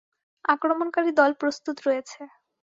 আক্রমণকারী দল প্রস্তুত রয়েছে।